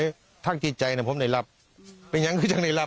ก็ต้องแบบท่างจิตใจนะผมในหลับไม่ยังอย่างนี้ในหลับ